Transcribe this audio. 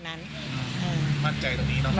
มั่นใจตรงนี้เนอะ